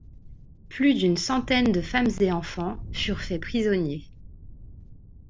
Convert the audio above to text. Plus d'une centaine de femmes et enfants furent faits prisonniers.